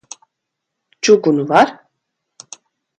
Čugunu var?